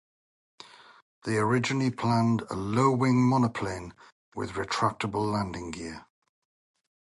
They originally planned a low-wing monoplane with retractable landing gear.